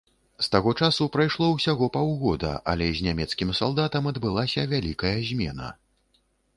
З таго часу прайшло ўсяго паўгода, але з нямецкім салдатам адбылася вялікая змена.